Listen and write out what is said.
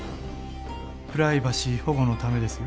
プライバシー保護のためですよ